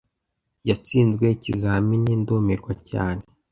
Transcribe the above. Yatsinzwe ikizamini ndumirwa cyane.